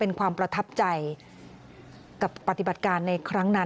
เป็นความประทับใจกับปฏิบัติการในครั้งนั้น